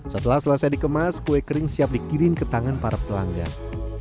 setelah selesai dikemas kue kering siap dikirim ke tangan para pelanggan